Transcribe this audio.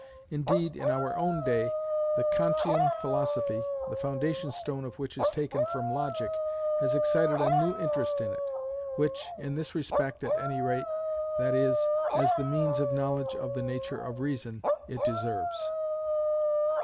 Indeed, in our own day, the Kantian philosophy, the foundation stone of which is taken from logic, has excited a new interest in it; which, in this respect, at any rate, that is, as the means of the knowledge of the nature of reason, it deserves.